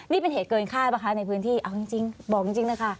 นี่เป็นเหตุเกินค่าป่ะคะในพื้นที่เอาจริงบอกจริงนะคะ